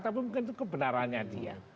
tapi mungkin itu kebenarannya dia